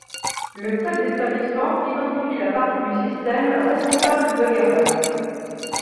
Le code d'établissement identifie la partie du système responsable de l'erreur.